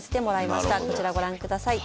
こちらご覧ください。